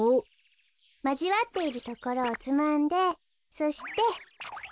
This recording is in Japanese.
まじわっているところをつまんでそして。